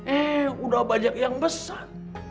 eh udah banyak yang besar